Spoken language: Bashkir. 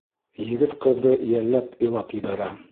Егет ҡыҙҙы йәлләп илап ебәрә.